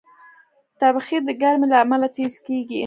تبخیر د ګرمۍ له امله تېز کېږي.